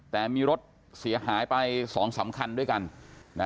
แต่มีรถเสียหายไป๒๓คันด้วยกัน